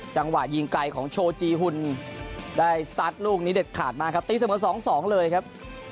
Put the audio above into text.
จังหวะยิงไกลของโชจีหุ่นได้ซัดลูกนี้เด็ดขาดมากครับตีเสมอ๒๒เลยครับ